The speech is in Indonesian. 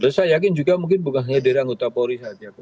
dan saya yakin juga mungkin bukan hanya dari anggota polri saja